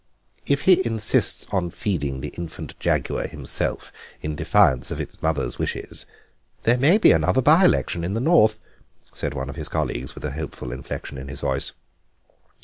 "If he insists on feeding the infant jaguar himself, in defiance of its mother's wishes, there may be another by election in the north," said one of his colleagues, with a hopeful inflection in his voice.